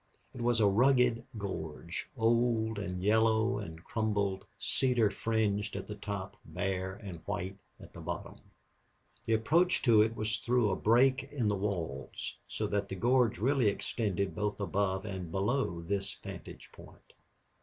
It was a rugged gorge, old and yellow and crumbled, cedar fringed at the top, bare and white at the bottom. The approach to it was through a break in the walls, so that the gorge really extended both above and below this vantage point.